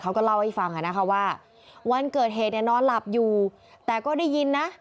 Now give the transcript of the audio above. เขาก็เล่าให้ฟังอ่ะนะคะว่าวันเกิดเหตุเนี่ยนอนหลับอยู่แต่ก็ได้ยินนะ